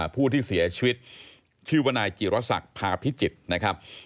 ผู้ที่เสียชีวิตชื่อว่านายจิรษักพาพิจิตรนะครับ